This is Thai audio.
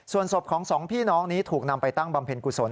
ส่วนศพของสองพี่น้องนี้ถูกนำไปตั้งบำเพ็ญกุศล